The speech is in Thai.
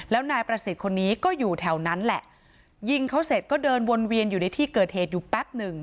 แล้วนายประสิทธิ์คนนี้ก็อยู่แถวนั้นแหละยิงเขาเสร็จก็เดินวนเวียนอยู่ในที่เกิดเหตุอยู่แป๊บหนึ่ง